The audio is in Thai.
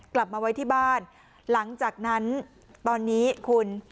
กลับมาไว้ที่บ้านหลังจากนั้นตอนนี้คุณ